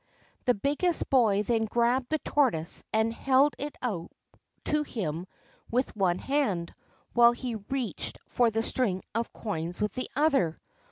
The biggest boy then grabbed the tortoise, and held it out to him with one hand, while he reached for the string of coins with the other.